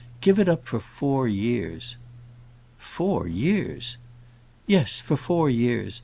Give it up for four years." "Four years!" "Yes; for four years.